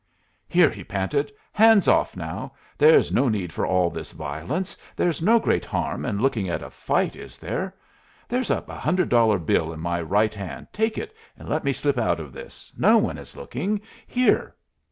"Here," he panted, "hands off, now. There's no need for all this violence. There's no great harm in looking at a fight, is there? There's a hundred dollar bill in my right hand; take it and let me slip out of this. No one is looking. Here."